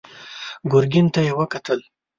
ګرګين ته يې وکتل.